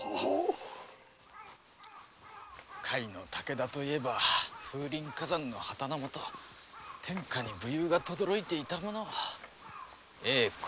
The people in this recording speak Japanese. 甲斐の武田といえば「風林火山」の旗のもと天下に武勇が轟いていたものを栄枯盛衰儚いものよのう。